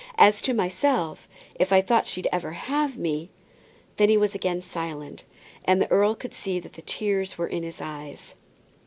As to myself, if I thought she'd ever have me " Then he was again silent, and the earl could see that the tears were in his eyes.